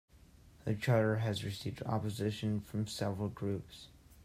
The Charter has received opposition from several groups.